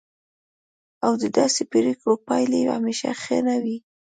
او د داسې پریکړو پایلې همیشه ښې نه وي.